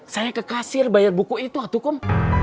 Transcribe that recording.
saya ke kasir bayar buku itu atuh kum